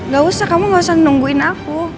gak usah kamu gak usah nungguin aku